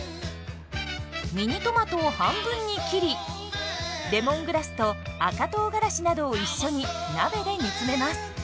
ミニトマトを半分に切りレモングラスと赤とうがらしなどを一緒に鍋で煮詰めます。